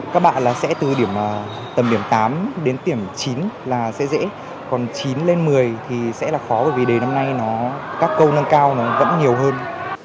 các bạn là sẽ từ điểm tầm điểm tám đến điểm chín là sẽ dễ còn chín lên một mươi thì sẽ là khó bởi vì đề năm nay nó các câu nâng cao nó vẫn nhiều hơn